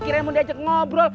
kiranya mau diajak ngobrol